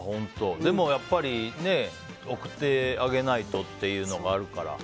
でもやっぱり送ってあげないとというのがあるから。